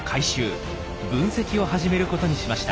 分析を始めることにしました。